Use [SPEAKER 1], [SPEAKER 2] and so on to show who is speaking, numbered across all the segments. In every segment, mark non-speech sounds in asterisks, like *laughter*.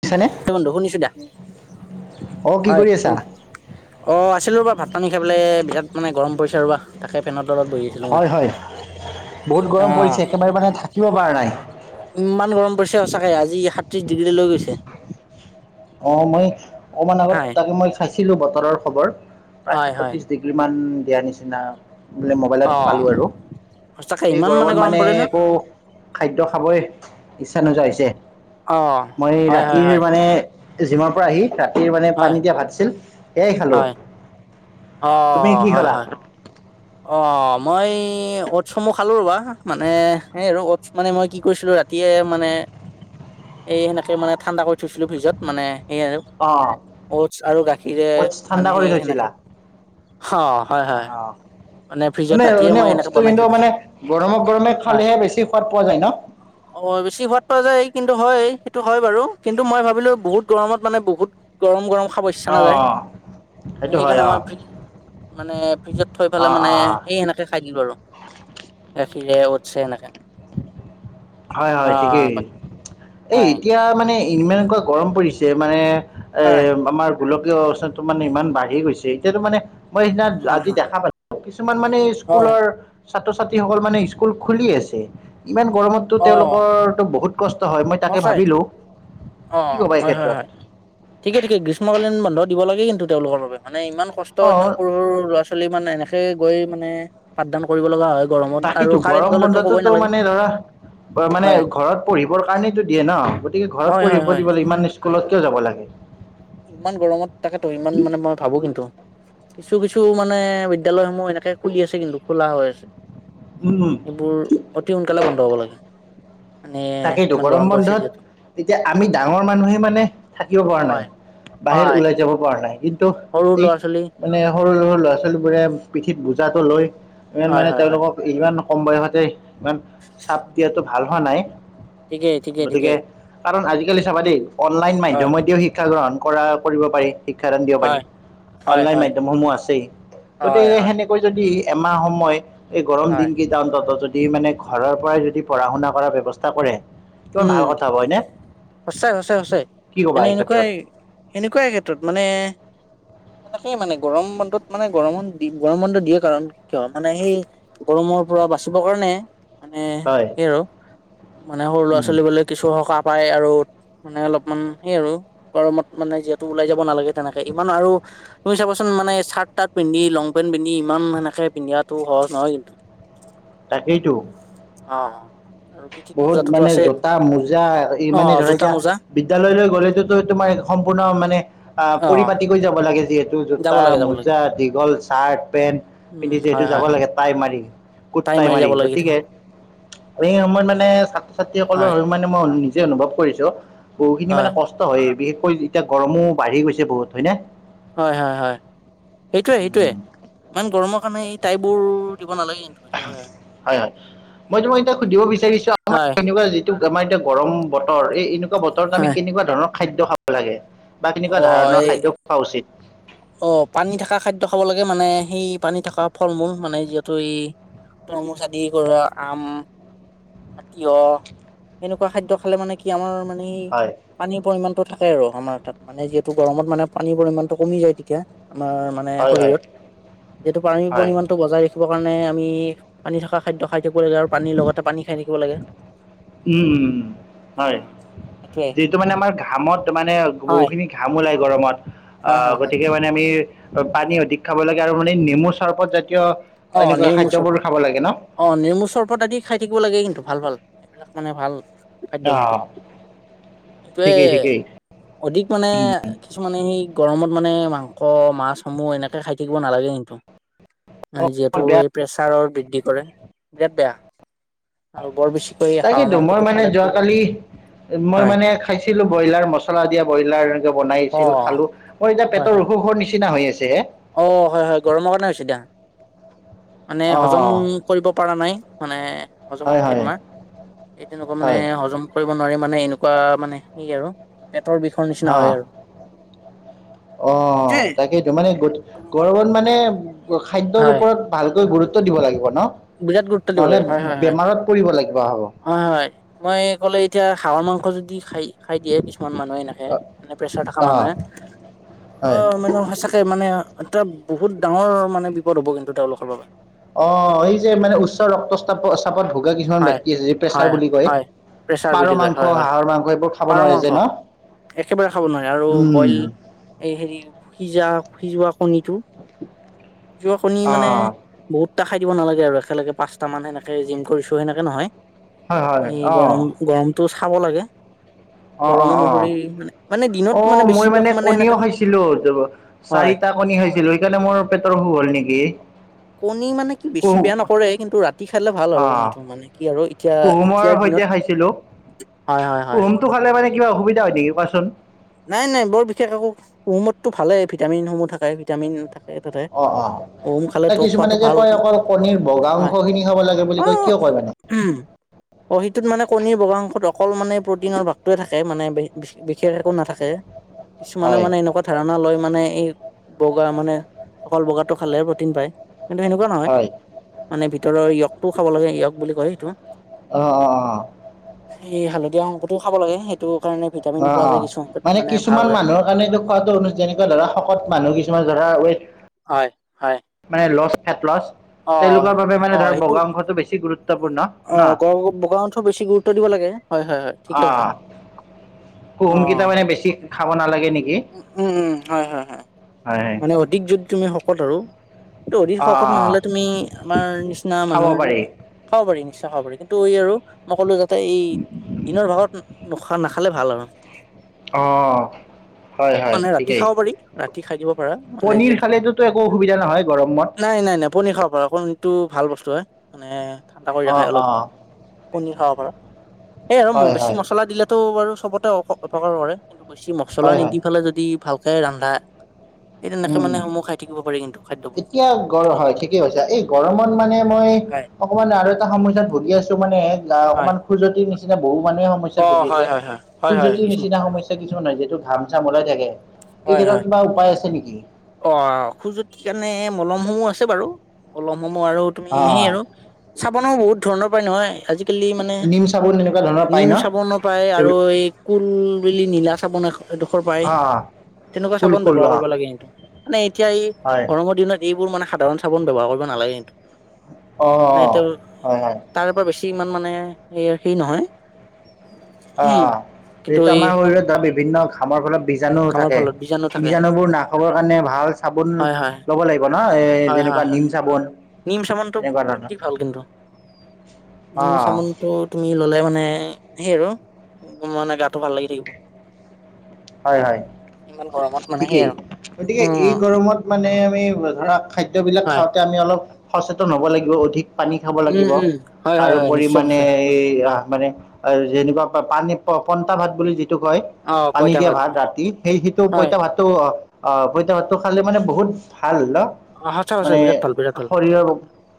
[SPEAKER 1] শুনিছানে
[SPEAKER 2] *unintelligible* টো শুনিছোঁ দিয়া।
[SPEAKER 1] অ কি
[SPEAKER 2] হয়,
[SPEAKER 1] কৰি আছা
[SPEAKER 2] অ' আছিলোঁ ৰবা, ভাতপানী খাই পেলে। বিৰাট মানে গৰম পৰিছে ৰবা, তাকে ফেনত
[SPEAKER 1] হয় - হয়। বহুত
[SPEAKER 2] অ
[SPEAKER 1] গৰম পৰিছে। একেবাৰে মানে থাকিব পাৰা নাই।
[SPEAKER 2] ইমান গৰম পৰিছে সচাঁকে। আজি সাত্ৰিশ ডিগ্ৰী লৈ গৈছে।
[SPEAKER 1] অ' মই অকমান আগত
[SPEAKER 2] হয়
[SPEAKER 1] তাকে মই চাইছিলোঁ বতৰৰ খবৰ। প্ৰায়
[SPEAKER 2] হয় হয়
[SPEAKER 1] সাতত্ৰিশ ডিগ্ৰী মান দিয়াৰ নিচিনা বোলে মোবাইলত
[SPEAKER 2] অ
[SPEAKER 1] পালোঁ আৰু।
[SPEAKER 2] সঁচাকে
[SPEAKER 1] এই
[SPEAKER 2] ইমান
[SPEAKER 1] গৰমত
[SPEAKER 2] গৰম
[SPEAKER 1] মানে
[SPEAKER 2] পৰে ন
[SPEAKER 1] একো খাদ্য খাবই ইচ্ছা নোযোৱা হৈ
[SPEAKER 2] অ
[SPEAKER 1] মই
[SPEAKER 2] হয় হয়
[SPEAKER 1] ৰাতিৰ
[SPEAKER 2] হয়
[SPEAKER 1] মানে জিমৰ পৰা আহি ৰাতিৰ মানে
[SPEAKER 2] হয়
[SPEAKER 1] পানী দিয়া ভাত আছিল, সেয়েই খালোঁ।
[SPEAKER 2] হয় অ
[SPEAKER 1] তুমি কি
[SPEAKER 2] হয়
[SPEAKER 1] খালা
[SPEAKER 2] হয়। অ মই অটছসমূহ খালো ৰ'বা মানে সেই আৰু অটছ মানে মই কি কৰিছিলো ৰাতিয়ে। মানে এই সেনেকে মানে ঠাণ্ডা কৰি থৈছিলো ভিজত মানে। সেয় আৰু
[SPEAKER 1] অ
[SPEAKER 2] অ'টছ আৰু গাখীৰে
[SPEAKER 1] অ'টছ
[SPEAKER 2] মানে
[SPEAKER 1] ঠাণ্ডা কৰি
[SPEAKER 2] সেই
[SPEAKER 1] থৈছিলা
[SPEAKER 2] সেনেকৈ। অ হয় হয়।
[SPEAKER 1] অ
[SPEAKER 2] ফ্ৰিজত
[SPEAKER 1] এনে
[SPEAKER 2] ৰাতিয়ে
[SPEAKER 1] এনেই
[SPEAKER 2] মই এনেকে
[SPEAKER 1] টো
[SPEAKER 2] বনাই
[SPEAKER 1] কিন্তু
[SPEAKER 2] থৈ
[SPEAKER 1] মানে
[SPEAKER 2] দিছিলো
[SPEAKER 1] গৰমে গৰমে
[SPEAKER 2] হয়
[SPEAKER 1] খালেহে বেছি সোৱাদ পোৱা যায় ন।
[SPEAKER 2] অ বেছি ঘৰ্ত হৈ যায়। কিন্তু হয় সেইটো হয় বাৰু কিন্তু মই ভাবিলো বহুত গৰমত মানে বহুত গৰম গৰম। চ্ছা
[SPEAKER 1] অঁ সেইটো হয়
[SPEAKER 2] নাযায়কাৰণে
[SPEAKER 1] অঁ
[SPEAKER 2] ম ফ মানে ফ থ। সফালে
[SPEAKER 1] অঁ
[SPEAKER 2] মানে
[SPEAKER 1] অঁ
[SPEAKER 2] সেই সেনেকে খাই দিলো আৰু গাখীৰে টছে সেনেকে
[SPEAKER 1] হয় হয় ঠিকেই এই
[SPEAKER 2] হয়
[SPEAKER 1] এতিয়া মানে ইমানকুৱা গৰম পৰিছে মানে এ
[SPEAKER 2] হয়
[SPEAKER 1] আমাৰ গোলকীয় অৱস্থানটো মানে ইমান বাঢ়ি গৈছে এতিয়াতো মানে মই সেইদিনা
[SPEAKER 2] হয়
[SPEAKER 1] আজি দেখা পালো কিছুমান মানে
[SPEAKER 2] হয় হয়
[SPEAKER 1] স্কুলৰ ছাত্ৰ ছাত্ৰীসকল মানে স্কুল খুলি আছে ইমান গৰমততো
[SPEAKER 2] অ
[SPEAKER 1] তেওঁলোকৰো বহুত কষ্ট হয় মই তাকে
[SPEAKER 2] সঁচাই
[SPEAKER 1] ভাবিলো
[SPEAKER 2] অ হয় হয় হয় ঠিকে ঠিকে গ্ৰীষ্মকালীন বন্ধত দিব লাগে কিন্তু তেওঁলোকৰ বাবে মানে ইমান কষ্ট ইমান
[SPEAKER 1] অঁ
[SPEAKER 2] সৰু সৰু ল'ৰা ছোৱালী ইানে এনে গৈ মানে পাঠদান কৰিব লগা হয় গৰমত আৰু
[SPEAKER 1] তাকো
[SPEAKER 2] কাৰেণ্ট
[SPEAKER 1] গৰম
[SPEAKER 2] গ'লেতো ক'বই
[SPEAKER 1] বন্ধততো
[SPEAKER 2] নালাগে
[SPEAKER 1] মানে ধৰা মানে
[SPEAKER 2] হয়
[SPEAKER 1] ঘৰত পঢ়িবৰ কাৰণে দিয়ে ন গতিকে ঘৰত
[SPEAKER 2] হয় হয়
[SPEAKER 1] পঢ়িব
[SPEAKER 2] হয়
[SPEAKER 1] দিব ইমান স্কুলত কিয় যাব লাগে
[SPEAKER 2] ইমান গৰমত থাকেতো ইমান মানে মই ভাবো কিন্তু কিছু কিছু মানে বিদ্যালয়সমূহ এনেকে খুলি আছে কিন্তু খোলা হৈ আছে
[SPEAKER 1] উম
[SPEAKER 2] এইবোৰ অতি সোনকালে বন্ধ হব লাগে মানে
[SPEAKER 1] তাকেইো
[SPEAKER 2] ইমান
[SPEAKER 1] গৰম
[SPEAKER 2] পৰিছে
[SPEAKER 1] বন্ধত
[SPEAKER 2] যিহেতু
[SPEAKER 1] তেতিয়া আমি ডাঙৰ মানুহে মানে থাকিব পৰা নাই
[SPEAKER 2] হয়
[SPEAKER 1] বাহিৰ
[SPEAKER 2] হয়
[SPEAKER 1] ওলাই যাব পৰা নাই
[SPEAKER 2] সৰু
[SPEAKER 1] এই
[SPEAKER 2] ল'ৰা ছোৱালী
[SPEAKER 1] মানে সৰু সৰু ল'ৰা ছোৱালীবোৰে পিঠিত বুজাটো লৈ ইমান
[SPEAKER 2] হয়
[SPEAKER 1] মানে
[SPEAKER 2] হয় হয়
[SPEAKER 1] তেওঁলোকক ইমান কম বয়সতে ইমান চাপ দিয়াটো ভাল হোৱা নাই
[SPEAKER 2] ঠিকেই ঠিকেই
[SPEAKER 1] গতিকে
[SPEAKER 2] ঠিকেই
[SPEAKER 1] কাৰণ আজিকালি চাবা দেই অনলাইন
[SPEAKER 2] হয়
[SPEAKER 1] মাধ্যমত দিও শিক্ষা গ্ৰহণ কৰা কৰিব পাৰি শিক্ষাদান দিব পাৰি
[SPEAKER 2] হয় হয়
[SPEAKER 1] অনলাইন
[SPEAKER 2] হয়
[SPEAKER 1] মাধ্যমসমূহ আছেই
[SPEAKER 2] হয়
[SPEAKER 1] গতিকে
[SPEAKER 2] হয়
[SPEAKER 1] সেনেকৈ যদি এমাহ সময় এই গৰম
[SPEAKER 2] হয়
[SPEAKER 1] দিন কেইটা অন্তত যদি মানে ঘৰৰ পৰাই যদি পঢ়া শুনা কৰা ব্যৱস্থা কৰে কিমান
[SPEAKER 2] উম
[SPEAKER 1] ভাল কথা হয় হয়নে
[SPEAKER 2] সঁচাই সঁচাই সঁচাই
[SPEAKER 1] কি ক'বা
[SPEAKER 2] মানে
[SPEAKER 1] এই ক্ষেত্ৰত
[SPEAKER 2] এনেকুৱাই এনেকুৱাই ক্ষেত্ৰত মানে
[SPEAKER 1] *inaudible*
[SPEAKER 2] মানে সেই মানে গৰম বন্ধত মানে গৰম দি গৰম বন্ধ দিয়ে কাৰণ কিয় হয় মানে সেই গৰমৰ পৰা বাচিব কাৰণে মানে
[SPEAKER 1] হয়
[SPEAKER 2] স আৰু মানে সৰু ল'ৰা ছাল
[SPEAKER 1] উম
[SPEAKER 2] কিছু সকাহ পায় আৰু মানে অলপমান সেই আৰু গৰমত মানে যিহেতু ওলাই যাব নালাগে তেনেকে ইমান আৰু তুমি চাবাচোন মানে চাৰ্ট তাৰ্ট পিন্ধি লং পেন্ট পিন্ধি ইমান সেনেকে পিন্ধিয়াটো সহজ ন গে
[SPEAKER 1] তাকেইটো
[SPEAKER 2] আৰু পিঠিত দুূৰ্জাততো আছে
[SPEAKER 1] মোজা
[SPEAKER 2] অ
[SPEAKER 1] মানে
[SPEAKER 2] জোতা
[SPEAKER 1] ধৰকা
[SPEAKER 2] মোজা
[SPEAKER 1] বিদ্যালয়লৈ গ'লেতোতো তোমাৰ সম্পূৰ্ণ মানে আহ
[SPEAKER 2] অ
[SPEAKER 1] পৰি পাতিকৈ যাব লাগে যিহেত টো
[SPEAKER 2] যাব
[SPEAKER 1] জোতা
[SPEAKER 2] লাগে যাব লাগে
[SPEAKER 1] মোজা দীঘল চাৰ্ট পেণ্ট
[SPEAKER 2] উম
[SPEAKER 1] পিন্ধিছে সেইটো
[SPEAKER 2] হয়
[SPEAKER 1] যাব
[SPEAKER 2] হয় হয়
[SPEAKER 1] লাগে টাই মাৰি
[SPEAKER 2] টাই
[SPEAKER 1] কুতটাই মাৰি
[SPEAKER 2] যাব লাগে
[SPEAKER 1] গতিকে
[SPEAKER 2] কেইদিনমান
[SPEAKER 1] এই সময়ত মানে ছাত্ৰ
[SPEAKER 2] হয়
[SPEAKER 1] ছাত্ৰীসকলৰ মানে মই নিজে অনুভৱ কৰিছো বহুখিনি মানে
[SPEAKER 2] হয়
[SPEAKER 1] কষ্ট হয় বিশেষকৈ এতিয়া গৰমো বাঢ়ি গৈছে বহুত হয় ন
[SPEAKER 2] হয় হয় হয় সেইটোয়ে সেইটোয়ে
[SPEAKER 1] উম,
[SPEAKER 2] ইমান গৰমৰ কাৰণে এই টাইবোৰ দিব নালাগে কিন্তু হয় হয়
[SPEAKER 1] হয় হয় মই তোমাক এতিয়া সুধিব বিচাৰিছো
[SPEAKER 2] হয়
[SPEAKER 1] আমাৰকুৱা যিটো আমাৰ এতিয়া গৰম বতৰ। এই এনেকুৱা বতৰত আমি
[SPEAKER 2] হয়
[SPEAKER 1] কেনেকুৱা ধৰণৰ খাদ্য খাব লাগে? বা কেনেকুৱা
[SPEAKER 2] অ
[SPEAKER 1] ধৰণৰ
[SPEAKER 2] এই
[SPEAKER 1] খাদ্য খোৱা উচিত?
[SPEAKER 2] অ পানী থকা খাদ্য খাব লাগে। মানে সেই পানী থকা ফল-মূল, মানে যিহেতু এই তৰমুজ আদিৰ পৰা আম তিয়হ সেনেকুৱা খাদ্য খালে মানে কি আমাৰ মানে
[SPEAKER 1] হয়
[SPEAKER 2] পানীৰ পৰিমাণটো থাকে আৰু আমাৰ তাত। মানে যিহেতু গৰমত মানে পানীৰ পৰিমাণটো কমি যায়। এতিয়া আমাৰ মানে
[SPEAKER 1] হয় হয়
[SPEAKER 2] শৰীৰত যিটো পানীৰ
[SPEAKER 1] হয়
[SPEAKER 2] পৰিমাণটো বজাই ৰাখি কাৰণে আমি পানী থকা খাদ্য খাই থাকিব লাগে আৰু পানীৰ লগতে পানী খাই থাকিব লাগে।
[SPEAKER 1] উম-উম হয়।
[SPEAKER 2] সেইটোৱে
[SPEAKER 1] যিহেটো মানে আমাৰ ঘামত মানে
[SPEAKER 2] হয়।
[SPEAKER 1] বহুখিনি ঘাম পুৰা গৰমত, আ
[SPEAKER 2] হয় হয় হয়।
[SPEAKER 1] গতিকে মানে আমি পানী অধিক খাব লাগে আৰু মানে নেমু চৰ্বত জাতীয়
[SPEAKER 2] অ
[SPEAKER 1] এনেকুৱা
[SPEAKER 2] নেমু
[SPEAKER 1] খাদ্যবোৰ
[SPEAKER 2] চৰবত,
[SPEAKER 1] খাব লাগে ন
[SPEAKER 2] অ নেমু চৰবত আদি খাই থাকিব লাগে কিন্তু। ভাল, ভাল। সেইবিলাক মানে ভাল খাদ্য কিন্তু।
[SPEAKER 1] অঁ
[SPEAKER 2] এইটোৱে
[SPEAKER 1] ঠিকেই ঠিকেই
[SPEAKER 2] অধিক মানে
[SPEAKER 1] উম,
[SPEAKER 2] কিছুমানে সেই গৰমত মানে মাংস, মাছসমূহ, এনেকৈ খাই থাকিব নালাগে কিন্তু।
[SPEAKER 1] বৰ
[SPEAKER 2] যিহেতু
[SPEAKER 1] বেয়া
[SPEAKER 2] এই প্ৰেচাৰৰ বৃদ্ধি কৰে, বিৰাট বেয়া, আৰু বৰ বেছ
[SPEAKER 1] তাকেইটো, মই মানে যোৱাকালি মই
[SPEAKER 2] হয়
[SPEAKER 1] মানে খাইছিলো ব্ৰইলাৰ মছলা দিয়া ব্ৰইলাৰ এনেকে
[SPEAKER 2] অ
[SPEAKER 1] বনাইছিল খালো মই এতিয়া
[SPEAKER 2] হয়
[SPEAKER 1] পেটৰ
[SPEAKER 2] হয়
[SPEAKER 1] অসুখৰ নিচিনা হৈ আছিল।
[SPEAKER 2] অ, হয়, হয়। গৰমৰ কাৰণে হৈছি দা। মানে হজম
[SPEAKER 1] অঁ
[SPEAKER 2] কৰিব পাৰা নাই। মানে হজম
[SPEAKER 1] হয়
[SPEAKER 2] শক্তি
[SPEAKER 1] হয়
[SPEAKER 2] তোমাৰ, এই তেনেকুৱা মানে
[SPEAKER 1] হয়
[SPEAKER 2] হজম কৰিব নোৱাৰি মানে এনেকুৱা মানে সেই আৰু পেট
[SPEAKER 1] অ-অ,
[SPEAKER 2] সেইটোৱে
[SPEAKER 1] তাকে তোমাৰ গৰমত মানে খাদ্যৰ
[SPEAKER 2] হয়
[SPEAKER 1] ওপৰত ভালকৈ গুৰুত্ব দিব লাগিব ন,
[SPEAKER 2] বিৰাট গুৰুত্ব দিব
[SPEAKER 1] নহলে
[SPEAKER 2] লাগে হয় হয় হয়
[SPEAKER 1] বেমাৰত পৰিব লাগি
[SPEAKER 2] হয়, হয়, মই ক'লে এতিয়া হাঁহৰ মাংস যদি খাই খাই দিয়ে কিছুমান কিমান মানুহে নাখেই। মানে প্ৰেছাৰ থকা
[SPEAKER 1] অঁ
[SPEAKER 2] মানুহে, অ
[SPEAKER 1] হয়
[SPEAKER 2] মানুহে সঁচাকে মানে এটা বহুত ডাঙৰ মানে বিপদ হ'ব কিন্তু তেওঁলোকৰ বাবে।
[SPEAKER 1] অ, এই যে মানে উচ্চ ৰক্তচাপ চাপত ভোগা কিছুমান
[SPEAKER 2] হয়
[SPEAKER 1] ব্যক্তি আছে যে প্ৰেছাৰ
[SPEAKER 2] হয়
[SPEAKER 1] বুলি কয়।
[SPEAKER 2] হয় প্ৰেছাৰ
[SPEAKER 1] পাৰ
[SPEAKER 2] বুলি কয়
[SPEAKER 1] মাংস,
[SPEAKER 2] হয় হয়
[SPEAKER 1] হাঁহৰ মাংস এইবোৰ খাব
[SPEAKER 2] পাৰ
[SPEAKER 1] নোৱাৰে যে
[SPEAKER 2] মাংস
[SPEAKER 1] ন।
[SPEAKER 2] একেবাৰে খাব নোৱাৰে আৰু বইল,
[SPEAKER 1] উম
[SPEAKER 2] এই হেৰি সিজা সিজোৱা কণীটো *unintelligible* কণী মানে
[SPEAKER 1] অঁ
[SPEAKER 2] বহুত খাই দিব নালাগে আৰু একেলগে পাঁচটা মান, সেনেকে জিম কৰিছো সেনেকে নহয়।
[SPEAKER 1] হয়
[SPEAKER 2] এ
[SPEAKER 1] হয় অঁ
[SPEAKER 2] গৰম গৰমটো চাব লাগে, গৰম অনুসৰি মানে দিনত
[SPEAKER 1] অ মই
[SPEAKER 2] বেছিভাগ
[SPEAKER 1] মানে কণীও
[SPEAKER 2] সেনেকা
[SPEAKER 1] খাইছিলো,
[SPEAKER 2] হয়
[SPEAKER 1] চাৰিটা কণী খাইছিলো সেইকাৰণে মোৰ পেটৰ হ'ল নেকি?
[SPEAKER 2] কণী মানে কি বেছি
[SPEAKER 1] কুহু
[SPEAKER 2] বেয়া নকৰে। কিন্তু ৰাত ৰুটি খালে ভাল আৰু
[SPEAKER 1] অঁ
[SPEAKER 2] কণীটোৰ মানে কি, আৰু এতিয়া এতিয়াৰ দিনত হয় হয় হয়
[SPEAKER 1] কুহোমটো খালে মানে কিবা অসুবিধা হয় নেকি কোৱাচোন।
[SPEAKER 2] নাই, নাই বৰ বিশেষ একো কুহুমতটো ভালেই ভিটামিনসমূহ থাকে ভিটামিন থাক
[SPEAKER 1] অ, অ। ত কিছুমানে যে
[SPEAKER 2] ভাল
[SPEAKER 1] কয়
[SPEAKER 2] কিন্তু
[SPEAKER 1] অকল কণীৰ বগা অংশ
[SPEAKER 2] হয়
[SPEAKER 1] খিনি খাব লাগে বুলি
[SPEAKER 2] অ
[SPEAKER 1] কয়। কিয় কয় মানে?
[SPEAKER 2] উম, অ সিটোত মানে কণীৰ বগা অংশ অকল মানে প্ৰটিনৰ ভাগটোৱে থাকে। মানে বিশেষ একো নাথাকে। কিছুমানে
[SPEAKER 1] হয়
[SPEAKER 2] মানে এনেকুৱা ধাৰণা লয়। মানে এই, বগা মানে, অকল বগাটো খালেহে প্ৰটিন পায়। কিন্তু সেনেকুৱা নহয়।
[SPEAKER 1] হয়
[SPEAKER 2] মানে ভিতৰৰ য়কটোও খাব লাগে। য়ক বুলি কয় সেইটো।
[SPEAKER 1] অহ, অ, অ।
[SPEAKER 2] এই হালধীয়া অংশটো খাব লাগে, সেইটো কাৰণে ভিটামিন
[SPEAKER 1] অ' অ'
[SPEAKER 2] পোৱা যায়
[SPEAKER 1] অ'
[SPEAKER 2] কিছু সংখ্যাত
[SPEAKER 1] মানে
[SPEAKER 2] ভাল
[SPEAKER 1] কিছুমান
[SPEAKER 2] হয়
[SPEAKER 1] মানুহৰ কাৰণে এইটো খোৱাটো অনুচিত যেনেকুৱা ধৰা শকত মানুহ কিছুমান ধৰা ৱেইট
[SPEAKER 2] হয় হয়।
[SPEAKER 1] মানে লছ খাত লছ।
[SPEAKER 2] অ
[SPEAKER 1] তেওঁলোকৰ বাবে মানে
[SPEAKER 2] অ,
[SPEAKER 1] ধৰা
[SPEAKER 2] সেইটো,
[SPEAKER 1] বগা অংশটো বেছি গুৰুত্বপূৰ্ণ
[SPEAKER 2] অ
[SPEAKER 1] ন
[SPEAKER 2] বগাঠ বেছি গুৰুত্ব দিব লাগে। কে হয় হয় হয় ঠিকে কথা।
[SPEAKER 1] কুহুম কেইটা মানে বেছি খাব নালাগে নেকি।
[SPEAKER 2] উ উম উম হয় হয় হয়,
[SPEAKER 1] হয় হয়
[SPEAKER 2] মানে অধিক যদি তুমি শকত আৰু। ত অধিক
[SPEAKER 1] অ'
[SPEAKER 2] শখত
[SPEAKER 1] অ' অ'
[SPEAKER 2] নহলে তুমি আমাৰ নিচিনা
[SPEAKER 1] খাব
[SPEAKER 2] মানুহ
[SPEAKER 1] পাৰি
[SPEAKER 2] খাব, পাৰি নেকি। বিশ্বাস হব পাৰি কিন্তু, এই আৰু মই ক'লো যাতে এই দিনৰ ভাগত নোখা নাখালে ভাল আৰু।
[SPEAKER 1] অ' হয় হয়
[SPEAKER 2] মানে ৰাতি
[SPEAKER 1] ঠিকেই
[SPEAKER 2] খাব পাৰি ৰাতি খাই দিব।
[SPEAKER 1] পনীৰ
[SPEAKER 2] যিহ
[SPEAKER 1] খালেতোতো একো অসুবিধা নহয় গৰমত
[SPEAKER 2] নাই নাই নাই পনী খাব পাৰ কণীটো। ভাল বস্তু হয় মানে ঠাণ্ডা কৰি ৰাখে
[SPEAKER 1] অ'
[SPEAKER 2] অলপ
[SPEAKER 1] অ'
[SPEAKER 2] কণী খাব প। সেই আৰু
[SPEAKER 1] হয়
[SPEAKER 2] বেছি
[SPEAKER 1] হয়
[SPEAKER 2] মছলা দিলেতো বাৰু চবতে অপকাৰ কৰে। কিন্তু বেছি মছলা
[SPEAKER 1] হয় হয়
[SPEAKER 2] নিদি পেলাই যদি ভালকে ৰান্ধা। এই তেনেকে
[SPEAKER 1] উম
[SPEAKER 2] মানে সমূহ খাই থাকিব পাৰি কিন্তু খাদ্যবোৰ
[SPEAKER 1] এতিয়া গৰ হয় ঠিকেই কছ এই গৰমত। মানে মই
[SPEAKER 2] হয়
[SPEAKER 1] অকমান আৰু এটা সমস্যাত ভুগি আছো মানে
[SPEAKER 2] হয়
[SPEAKER 1] অকমান খোজতি নিচিনা বহুত। মানুহে
[SPEAKER 2] অ
[SPEAKER 1] সমস্যাত ভুগি
[SPEAKER 2] হয়
[SPEAKER 1] আছে
[SPEAKER 2] হয় হয় হয় হয়
[SPEAKER 1] ফুলজতি
[SPEAKER 2] কিছুমান
[SPEAKER 1] নিচিনা সমস্যা কি। য় যিহেতু ঘাম চাম ওাই থাকে এই
[SPEAKER 2] হয়
[SPEAKER 1] কেত্ৰত
[SPEAKER 2] হয়
[SPEAKER 1] কিবা উপায় আছে নেকি?
[SPEAKER 2] অ খোজুতি কাৰণে মলমসমূহ আছে বাৰু মলম। মম আৰু তুমি সেই
[SPEAKER 1] অ',
[SPEAKER 2] আৰু চাবোনোও বহুত ধৰণৰ পৰাই নহয় আজি। আজি কালি মানে
[SPEAKER 1] নিম চাবোন এনেকুৱা ধৰণৰ পায়
[SPEAKER 2] নিম
[SPEAKER 1] ন?
[SPEAKER 2] চাবন নাপায় আৰু
[SPEAKER 1] এইবোৰ
[SPEAKER 2] এই কুল বুলি নীলা চাবন। দুখৰ পায়
[SPEAKER 1] অ',
[SPEAKER 2] তেনেকুৱা
[SPEAKER 1] কুল
[SPEAKER 2] চাবোন
[SPEAKER 1] কুল
[SPEAKER 2] ব্যৱহাৰ
[SPEAKER 1] অ',
[SPEAKER 2] কৰিব লাগে সটো মানে। এতিয়া এই
[SPEAKER 1] হয়
[SPEAKER 2] গৰমৰ দিনত এইবোৰ মানে সাধাৰণ চাবোন ব্যৱহাৰ কৰিব নালাগে কিন্তু।
[SPEAKER 1] অ',
[SPEAKER 2] মানেটো
[SPEAKER 1] হয় হয়।
[SPEAKER 2] তাৰ পৰা বেছি। ইমান মানে হ সেই নহয়।
[SPEAKER 1] অ
[SPEAKER 2] উম কিন্তু
[SPEAKER 1] এইটো
[SPEAKER 2] এই
[SPEAKER 1] আমাৰ শৰীৰত বিভিন্ন ঘামৰ ফালে। বীজাণু
[SPEAKER 2] কামৰ
[SPEAKER 1] থাকে
[SPEAKER 2] ফলত থাকে
[SPEAKER 1] বীজাণু বোৰ নাখাবৰ কাৰণে ভাল চাবোন
[SPEAKER 2] হয় হয়
[SPEAKER 1] ল'ব লাগিব। ন এ
[SPEAKER 2] হয় হয়
[SPEAKER 1] যেনেকুৱা
[SPEAKER 2] হয়
[SPEAKER 1] নিম চাবোন
[SPEAKER 2] নিম চাবোনটো
[SPEAKER 1] এনেকুৱা ধৰণৰ।
[SPEAKER 2] অতি ভাল কিন্তু নিম
[SPEAKER 1] অ',
[SPEAKER 2] চামোনতটো তুমি ল'লে মানে। সেই আৰু মানে গাটো ভাল লাগি থাকিব।
[SPEAKER 1] হয় হয়
[SPEAKER 2] ইমান গৰমত মানে সেই
[SPEAKER 1] ঠিকেই
[SPEAKER 2] আৰু
[SPEAKER 1] গতিকে এই
[SPEAKER 2] উম
[SPEAKER 1] গৰমত মানে আমি ধৰা। খাদ্যবিলাক
[SPEAKER 2] হয়
[SPEAKER 1] খাওঁতে আমি অলপ সচেতন হ'ব লাগিব অধিক। পানী খাব
[SPEAKER 2] উম
[SPEAKER 1] লাগিব
[SPEAKER 2] উম হয় হয় হয়
[SPEAKER 1] তাৰপৰি
[SPEAKER 2] নিশ্চয়
[SPEAKER 1] মানে
[SPEAKER 2] নিশ্চয়
[SPEAKER 1] এই। মানে যেনেকুৱা পানী পন্টা ভাত বুলি যিটো কয়।
[SPEAKER 2] অ
[SPEAKER 1] পানী
[SPEAKER 2] পইতা
[SPEAKER 1] দিয়া ভাত ৰাতি সেই সেইটো
[SPEAKER 2] হয়
[SPEAKER 1] পইতা ভাতটো অ পইতা ভাতটো খালে মানে বহুত ভাল।
[SPEAKER 2] অ সঁচা সঁচা
[SPEAKER 1] মানে
[SPEAKER 2] বিৰাট ভাল বিৰাট ভাল
[SPEAKER 1] শৰীৰৰ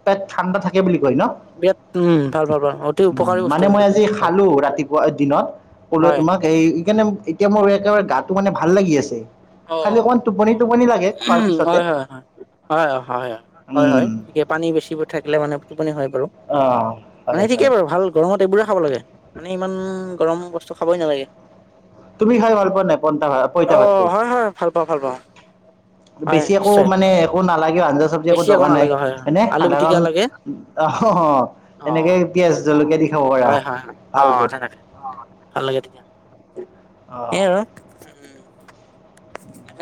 [SPEAKER 1] প ঠাণ্ডা থাকে বুলি কয় ন।
[SPEAKER 2] বিৰাট উম ভাল ভাল ভাল অতি
[SPEAKER 1] উ
[SPEAKER 2] উপকাৰী বস্তু
[SPEAKER 1] মানে মই
[SPEAKER 2] কিন্তু এইটো
[SPEAKER 1] আজি
[SPEAKER 2] ভাল
[SPEAKER 1] খালো ৰাতিপুৱা দিনত। কলোৱে
[SPEAKER 2] হয়
[SPEAKER 1] তোমাক এই ইকাৰণে এতিয়া মোৰ। একেবাৰে গাটো মানে ভাল লাগি আছে খালি অকমান টোপনি টোপনি লাগে।
[SPEAKER 2] উ
[SPEAKER 1] খোৱাৰ পিছতে
[SPEAKER 2] হয় হয় হয়। হয় হয় হয় হয় হয় হয়ে পানী বেছি থাকিলে মানুে টোপনি হয় বাৰু।
[SPEAKER 1] অঁ
[SPEAKER 2] মানে
[SPEAKER 1] হয় হয়
[SPEAKER 2] ঠিকেই বাৰু ভাল গৰমত এইবোৰে খাব লাগে মানে ইমান গৰম বস্তু খাবই নালাগে।
[SPEAKER 1] তুমি খাই ভাল পোৱা নাই পইতা ভ পইতা
[SPEAKER 2] অ
[SPEAKER 1] ভাতটো।
[SPEAKER 2] হয় হয় ভাল পাওঁ ভাল পাওঁ হয়
[SPEAKER 1] বেছি একো
[SPEAKER 2] নিশ্চয়
[SPEAKER 1] মানে একো নালাগেও আঞ্জা চব্জি একো
[SPEAKER 2] বেছি
[SPEAKER 1] দৰকাৰ নাই
[SPEAKER 2] নালাগে হয় হয়
[SPEAKER 1] হয়নেে
[SPEAKER 2] আলু
[SPEAKER 1] সাধাৰণ।
[SPEAKER 2] পিটিকা লাগে
[SPEAKER 1] অ
[SPEAKER 2] অ
[SPEAKER 1] এনেকে পিয়য়াজ জলকীয়া দি খাব পাৰা
[SPEAKER 2] হয় হয় হয় অ
[SPEAKER 1] ভাল ফুল।
[SPEAKER 2] তেনেকে ভাল লাগে। তেতিয়া
[SPEAKER 1] অহ।
[SPEAKER 2] সেই আৰু উম এনেকে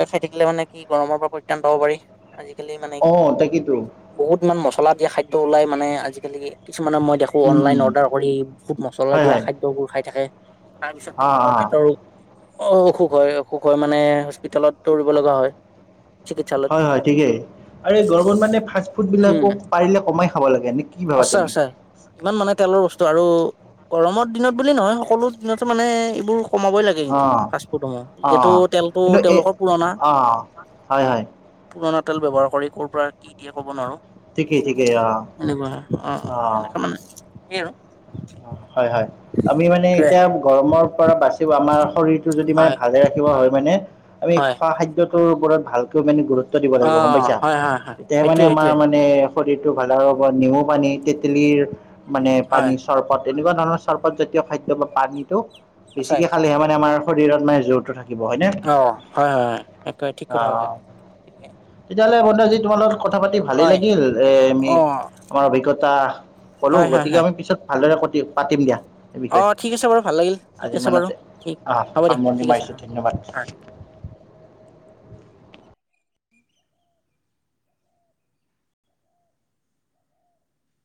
[SPEAKER 2] খাই থাকিলে মানে কি গৰমৰ পৰা পৰিত্ৰাণ পাব পাৰি। আজিকালি মানে
[SPEAKER 1] অঁ তাকেইতো
[SPEAKER 2] বহুত মান মছলা দিয়া খাদ্য ওলাই মানে আজিকালি। কিছুমানে মই দেখো
[SPEAKER 1] উম
[SPEAKER 2] অনলাইন অৰ্ডাৰ কৰি বহুত মছলা
[SPEAKER 1] হয়
[SPEAKER 2] দিয়া
[SPEAKER 1] হয়
[SPEAKER 2] খাদ্যবোৰ খাই থাকে। তাৰপিছত
[SPEAKER 1] অ
[SPEAKER 2] তেওঁলোকৰ
[SPEAKER 1] অ
[SPEAKER 2] পেটৰ অ অসুখ হয় অসুখ হয় মানে হস্পিতেলত। দৌৰিব লগা হয় চিকিৎসালয়ত
[SPEAKER 1] হয় হয় ঠিকেই আৰু এই গৰত মানে ফাষ্ট ফুড বিলাকো পাৰিলে কমাই খাব লাগে নে কি? ভাবা
[SPEAKER 2] আছে
[SPEAKER 1] তুমি
[SPEAKER 2] আছে ইমান মানে তেওঁ বস্তু আৰু গৰমৰ দিনত বুলি নহয় সকলো দিনতে মানে এইবোৰ কমাবই লাগে
[SPEAKER 1] অ
[SPEAKER 2] কিন্তু ফাষ্টফুডসমূহ
[SPEAKER 1] অ
[SPEAKER 2] যিহেতু তেলটো
[SPEAKER 1] কিন্তু এই
[SPEAKER 2] তেওঁলোকৰ পুৰণা
[SPEAKER 1] অ হয় হয়
[SPEAKER 2] হোটেল ব্যৱাৰ কৰি'ৰ পৰা কি দিয় ক'ব নোৱাৰোঁ।
[SPEAKER 1] থঠিকেই থঠিকেই অ
[SPEAKER 2] অ
[SPEAKER 1] অ
[SPEAKER 2] সেনেকুৱা মানে কি আৰু
[SPEAKER 1] হয় হয় আমি মানে
[SPEAKER 2] সেইটোৱে
[SPEAKER 1] এতিয়া গৰমৰ পৰা বাচিও আমাৰ শৰীৰটো যদি মানে
[SPEAKER 2] হয়
[SPEAKER 1] ভালে ৰাখি হয় মানে আমি
[SPEAKER 2] হয়
[SPEAKER 1] খোৱা খাদ্যটোৰ ওপৰত ভালকৈ মানে গুৰুত্ব দিব
[SPEAKER 2] অ
[SPEAKER 1] লাগিব গম পাইছা
[SPEAKER 2] হয় হয় হয়
[SPEAKER 1] তেতিয়াহে মানে
[SPEAKER 2] সেইটোৱে
[SPEAKER 1] আমাৰ
[SPEAKER 2] সেইটোৱে
[SPEAKER 1] মানে শৰীৰটো ভাল হ'ব নেমু পানী তেতেলীৰ মানে
[SPEAKER 2] হয়
[SPEAKER 1] পানী তেনেকুৱা ধৰণৰ চৰ্বত জাতীয় খাদ্য বা পানীটো
[SPEAKER 2] সঁচাই
[SPEAKER 1] বেছিকে খালেহে মানে আমাৰ শৰীৰত মানে জোৰটো থাকে
[SPEAKER 2] অ হয় হয়া একেবাৰে ঠিক কথা কৈছা?
[SPEAKER 1] তেতিয়াল ভৎদাজি তোমাৰ লগত কথা পাতি ভালেই
[SPEAKER 2] হয়
[SPEAKER 1] লাগিল এমি
[SPEAKER 2] অ
[SPEAKER 1] আমাৰ অভিজ্ঞতা কলো
[SPEAKER 2] হয় হয়
[SPEAKER 1] গতিকে
[SPEAKER 2] হয়
[SPEAKER 1] আমি পিছত ভালদৰে পাতিম দিয়া সেই
[SPEAKER 2] অ
[SPEAKER 1] বিষয়ে
[SPEAKER 2] ঠিক আছে বাৰু ভাল লাগিল ঠিক
[SPEAKER 1] আজি
[SPEAKER 2] আছে বাৰু
[SPEAKER 1] ইমানতে
[SPEAKER 2] ঠিক
[SPEAKER 1] অহ
[SPEAKER 2] হ'ব দিয়া
[SPEAKER 1] সামৰণি
[SPEAKER 2] ঠিক আছে
[SPEAKER 1] মাৰিছো
[SPEAKER 2] অ হয়
[SPEAKER 1] ধন্যবাদ *unintelligible*